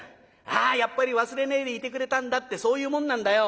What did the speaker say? ああやっぱり忘れねえでいてくれたんだってそういうもんなんだよ。